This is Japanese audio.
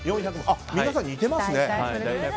皆さん、似てますね。